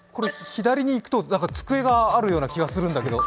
左に行くと机があるような気がするんだけど。